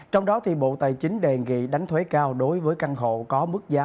trong đó bộ tài chính đề nghị đánh thuế cao đối với căn hộ có mức giá